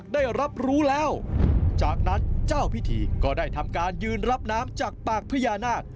ได้รับรู้แล้วจากนั้นเจ้าพิธีก็ได้ทำการยืนรับน้ำจากปากพญานาค